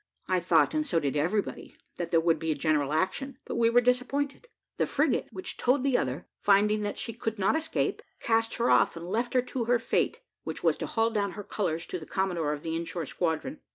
I thought, and so did everybody, that there would be a general action, but we were disappointed; the frigate which towed the other, finding that she could not escape, cast her off, and left her to her fate, which was to haul down her colours to the commodore of the in shore squadron.